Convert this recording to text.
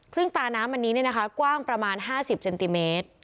ซึ่งตาน้ำอันนี้เนี้ยนะคะกว้างประมาณห้าสิบเจนติเมตร